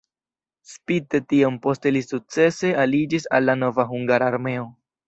Spite tion poste li sukcese aliĝis al la nova hungara armeo.